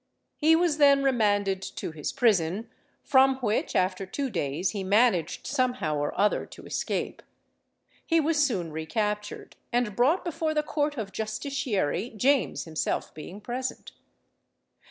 He was then remanded to his prison, from which, after two days, he managed, some how or other, to escape. He was soon recaptured, and brought before the Court of Justiciary, James himself being present.